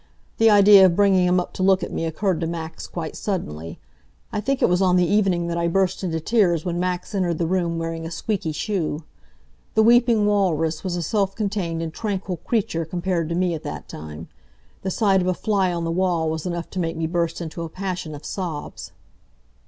The idea of bringing him up to look at me occurred to Max quite suddenly. I think it was on the evening that I burst into tears when Max entered the room wearing a squeaky shoe. The Weeping Walrus was a self contained and tranquil creature compared to me at that time. The sight of a fly on the wall was enough to make me burst into a passion of sobs.